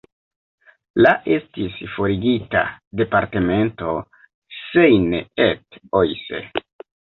La estis forigita departemento Seine-et-Oise.